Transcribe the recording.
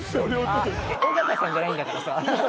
尾形さんじゃないんだからさ。